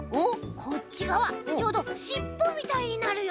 こっちがわちょうどしっぽみたいになるよ！